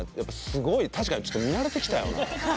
確かにちょっと見慣れてきたよな。